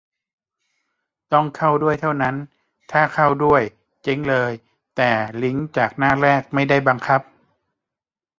ต้องเข้าด้วย เท่านั้น ถ้าเข้าด้วย เจ๊งเลย แต่ลิงก์จากหน้าแรกไม่ได้บังคับ